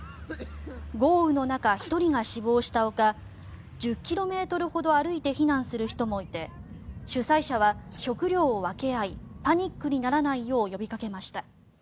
豪雨の中、１人が死亡したほか１０ｋｍほど歩いて避難する人もいて主催者は食料を分け合いパニックにならないよう呼びかけました。